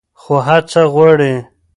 خو هڅه غواړي.